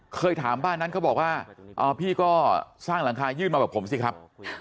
เคยถามบ้านนั้นเขาบอกว่าพี่ก็สร้างหลังคายื่นมาแบบผมสิครับ